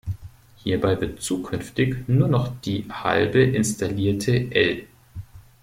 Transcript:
Hierbei wird zukünftig nur noch die halbe installierte el.